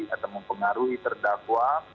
atau mempengaruhi terdakwa